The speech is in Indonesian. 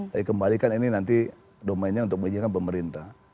tapi kembalikan ini nanti domainnya untuk mengizinkan pemerintah